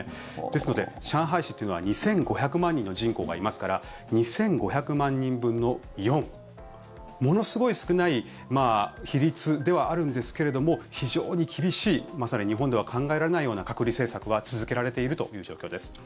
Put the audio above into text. ですので、上海市というのは２５００万人の人口がいますから２５００万人分の４。ものすごい少ない比率ではあるんですけども、非常に厳しいまさに日本では考えられないような隔離政策は続けられているという状況です。